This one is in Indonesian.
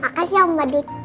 makasih ya om badut